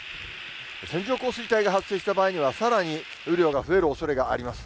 線状降水帯が発生した場合には、さらに雨量が増えるおそれがあります。